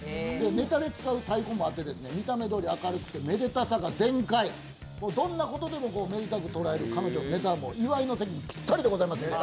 ネタで使う太鼓もあって、見た目どおり明るくてめでたさが全開、どんなことでもめでたく捉える彼女のネタは祝いの席にぴったりでございます！